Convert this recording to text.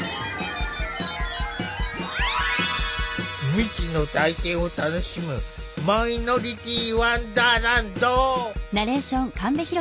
未知の体験を楽しむ「マイノリティーワンダーランド」！